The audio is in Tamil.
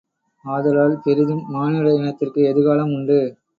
ஆதலால், பெரிதும் மானுட இனத்திற்கு எதிர்காலம் உண்டு.